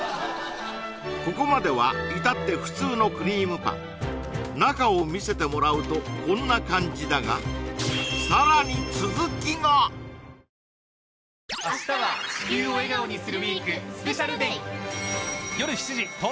ここまではいたって普通のクリームパン中を見せてもらうとこんな感じだが小松ワタルです